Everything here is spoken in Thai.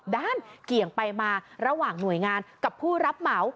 เกี่ยงไปมาระหว่างหน่วยงานกับผู้รับเหมา